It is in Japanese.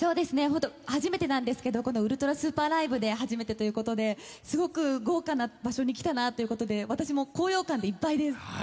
初めてなんですけど「ウルトラＳＵＰＥＲＬＩＶＥ」で初めてということですごく豪華な場所に来たなということで私も高揚感でいっぱいです。